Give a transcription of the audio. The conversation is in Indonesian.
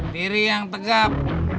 diri yang tegap